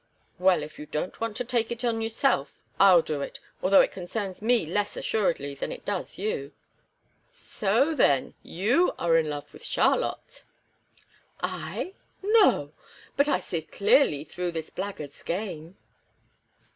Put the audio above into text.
"Well, if you don't want to take it on yourself, I'll do it, although it concerns me less assuredly than it does you." "So then you are in love with Charlotte?" "I? No but I see clearly through this blackguard's game."